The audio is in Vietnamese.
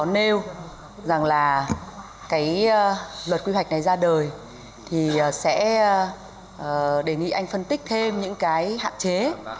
nếu luật quy hoạch này ra đời thì sẽ đề nghị anh phân tích thêm những hạn chế